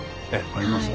ありますか。